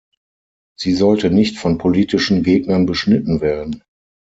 Sie sollte nicht von politischen Gegnern beschnitten werden.